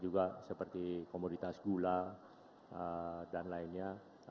juga seperti komoditas gula dan lainnya